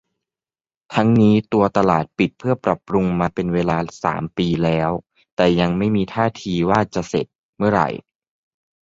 ทั้งนี้ตัวตลาดปิดเพื่อปรับปรุงมาเป็นเวลา สาม ปีแล้ว แต่ยังไม่มีท่าทีว่างานจะเสร็จเมื่อไหร่